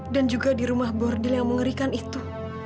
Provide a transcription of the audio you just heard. dan juga di rumah bordil yang mengerikan itu